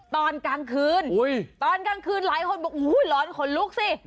ตอนกลางคืนตอนกลางคืนหลายคนบอกอุ้ยร้อนขนลุกสิ